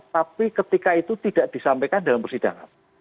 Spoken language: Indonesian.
tapi ketika itu tidak disampaikan dalam persidangan